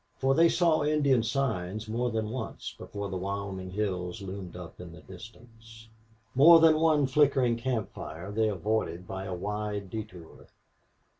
For they saw Indian signs more than once before the Wyoming hills loomed up in the distance. More than one flickering camp fire they avoided by a wide detour.